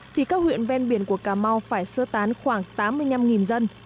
thì các huyện ven biển của cà mau phải sơ tán khoảng tám mươi năm dân